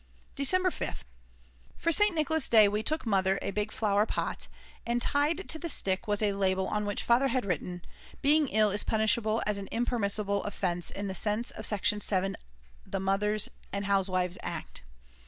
December 5th. For St. Nicholas day we took Mother a big flower pot, and tied to the stick was a label on which Father had written; "Being ill is punishable as an unpermissible offence in the sense of Section 7 the Mothers' and Housewives' Act."